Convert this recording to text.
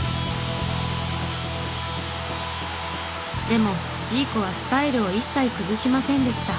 でもジーコはスタイルを一切崩しませんでした。